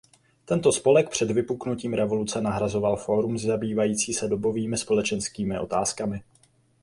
Tento spolek před vypuknutím revoluce nahrazoval fórum zabývající se dobovými společenskými otázkami.